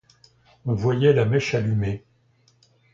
On voyait la mèche allumée.